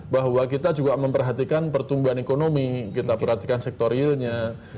bahwa kita juga memperhatikan pertumbuhan ekonomi kita perhatikan sektor realnya